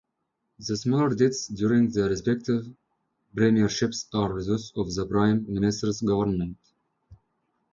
The smaller dates, during the respective premierships, are those of the Prime Ministers' governments.